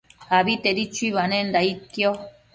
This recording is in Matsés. Abitedi chuibanenda aidquio